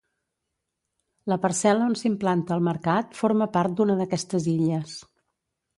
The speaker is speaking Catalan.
La parcel·la on s'implanta el mercat forma part d'una d'aquestes illes.